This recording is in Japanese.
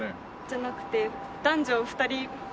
じゃなくて男女２人組に。